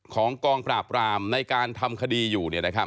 กองปราบรามในการทำคดีอยู่